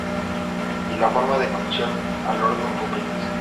Y la forma de cocción, al horno o fritas.